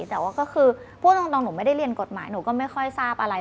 แต่ว่าก็คือพูดตรงหนูไม่ได้เรียนกฎหมายหนูก็ไม่ค่อยทราบอะไร